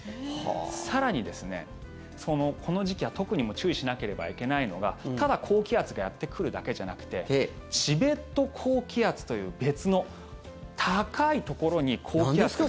更にですね、この時期は特に注意しなければいけないのがただ高気圧がやってくるだけじゃなくてチベット高気圧という別の高いところに高気圧が。